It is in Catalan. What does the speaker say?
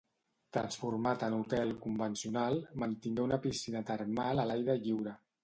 Transformat en hotel convencional, mantingué una piscina termal a l'aire lliure.